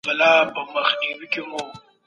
دوکه بازي ټولنه خرابوي.